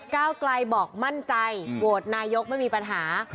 ก้าวไกลบอกมั่นใจโหวตนายกไม่มีปัญหา